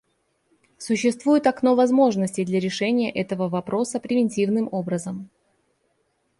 Существует «окно возможностей» для решения этого вопроса превентивным образом.